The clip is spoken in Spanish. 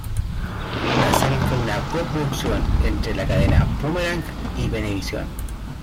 La serie fue una co-producción entre la cadena Boomerang y Venevisión.